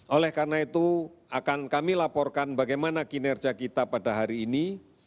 oleh karena itu akan kami laporkan bagaimana kinerja kita pada hari ini